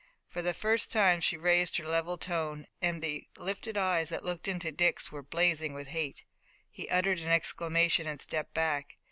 For the first time she had raised her level tone, and the lifted eyes that looked into Dick's were blazing with hate. He uttered an exclamation and stepped back.